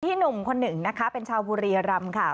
หนุ่มคนหนึ่งนะคะเป็นชาวบุรียรำค่ะ